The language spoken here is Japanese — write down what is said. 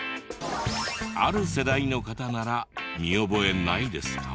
ある世代の方なら見覚えないですか？